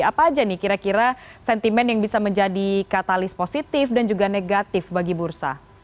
apa aja nih kira kira sentimen yang bisa menjadi katalis positif dan juga negatif bagi bursa